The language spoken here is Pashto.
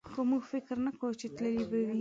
خو موږ فکر نه کوو چې تللی به وي.